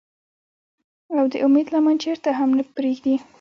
او د اميد لمن چرته هم نۀ پريږدي ۔